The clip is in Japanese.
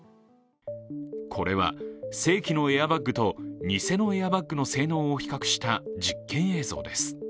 これは正規のエアバッグと偽のエアバッグの性能を比較した実験映像です。